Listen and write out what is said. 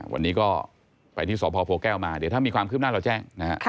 วันนี้ก็ไปที่สพโพแก้วมาเดี๋ยวถ้ามีความคืบหน้าเราแจ้งนะฮะ